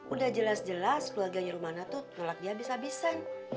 udah jelas jelas keluarganya rumana tuh ngelak dia abis abisan